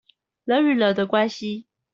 人與人的關係